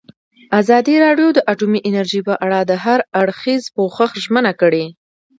ازادي راډیو د اټومي انرژي په اړه د هر اړخیز پوښښ ژمنه کړې.